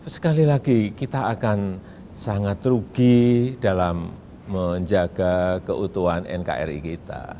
sekali lagi kita akan sangat rugi dalam menjaga keutuhan nkri kita